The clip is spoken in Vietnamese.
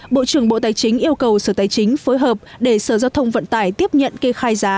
bộ trưởng bộ tài chính yêu cầu sở tài chính phối hợp để sở giao thông vận tải tiếp nhận kê khai giá